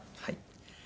はい。